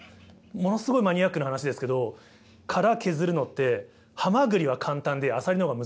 ものすごいマニアックな話ですけど殻削るのってハマグリは簡単でアサリの方が難しいんですよ。